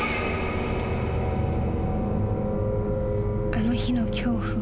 ［あの日の恐怖は］